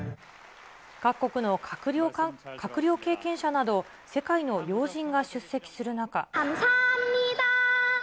各国の閣僚経験者など、世界の要人が出席する中。